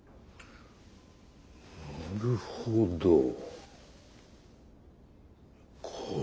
なるほどこれは。